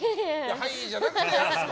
はいじゃなくてやす子！